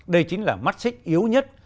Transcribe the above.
đây chính là mắt xích yếu nhất